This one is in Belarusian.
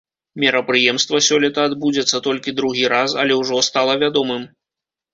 Мерапрыемства сёлета адбудзецца толькі другі раз, але ўжо стала вядомым.